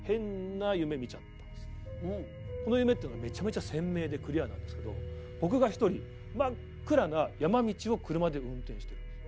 この夢っていうのがめちゃめちゃ鮮明でクリアなんですけど僕が１人真っ暗な山道を車で運転してるんです。